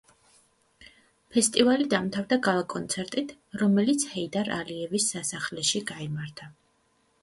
ფესტივალი დამთავრდა გალა კონცერტით, რომელიც ჰეიდარ ალიევის სასახლეში გაიმართა.